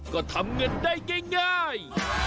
ก็ทำเงินได้ง่าย